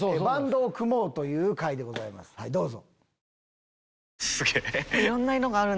どうぞ。